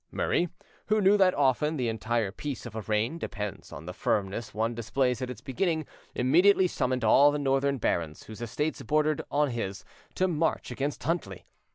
Murray, who knew that often the entire peace of a reign depends on the firmness one displays at its beginning, immediately summoned all the northern barons whose estates bordered on his, to march against Huntly.